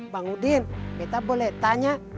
bang udien lu boleh tanya